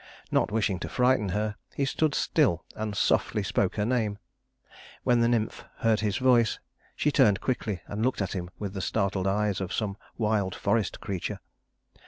Not wishing to frighten her, he stood still and softly spoke her name. When the nymph heard his voice, she turned quickly and looked at him with the startled eyes of some wild forest creature.